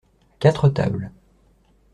Quatre tables.